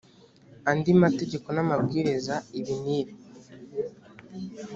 andi mategeko n amabwiriza ibi n ibi